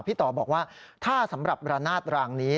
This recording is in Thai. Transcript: ต่อบอกว่าถ้าสำหรับระนาดรางนี้